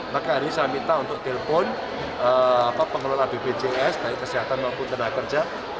maka hari ini saya minta untuk telpon pengelola bpjs dari kesehatan maupun ketenagakerjaan